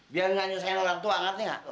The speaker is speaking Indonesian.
biar nggak nyusahin orang tua ngerti nggak